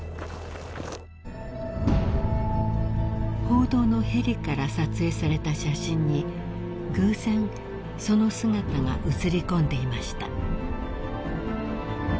［報道のヘリから撮影された写真に偶然その姿が写り込んでいました］